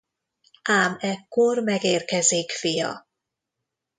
Ám ekkor megérkezik fia.